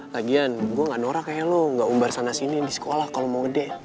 lagian gue ga norak ya lo ga umbar sana sini di sekolah kalau mau ngedat